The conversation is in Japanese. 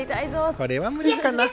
これは無理かな？